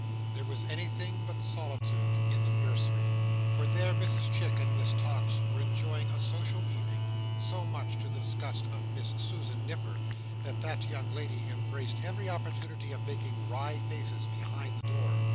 There was anything but solitude in the nursery; for there, Mrs Chick and Miss Tox were enjoying a social evening, so much to the disgust of Miss Susan Nipper, that that young lady embraced every opportunity of making wry faces behind the door.